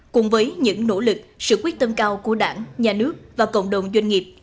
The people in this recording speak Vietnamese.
cùng với những nỗ lực sự quyết tâm cao của đảng nhà nước và cộng đồng doanh nghiệp